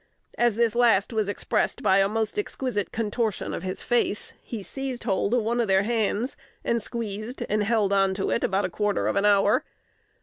"As this last was expressed by a most exquisite contortion of his face, he seized hold of one of their hands, and squeezed, and held on to it about a quarter of an hour.